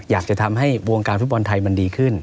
อยากจะทำให้วงการฟุตบอลไทยมันดีขึ้น